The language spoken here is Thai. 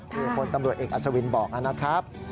นี่ผลตำรวจเอกอัศวินบอกนะครับ